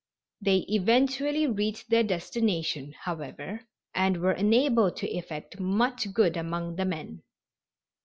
They eventually reached their destination, however, and were enabled to effect much good among the men.